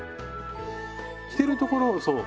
着てるところそう。